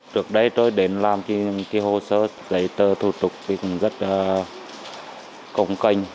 trước đây tôi đến làm cái hồ sơ giấy tờ thủ tục thì cũng rất công canh